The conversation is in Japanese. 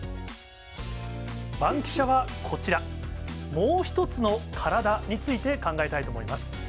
バンキシャはこちら、もう一つのカラダについて考えたいと思います。